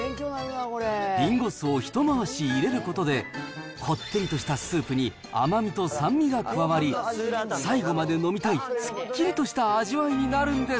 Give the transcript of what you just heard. リンゴ酢を一回し入れることで、こってりとしたスープに甘みと酸味が加わり、最後まで飲みたい、すっきりとした味わいになるんです。